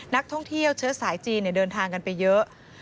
นักท่องเที่ยวเชื้อสายจีนเดินทางกันไปเยอะ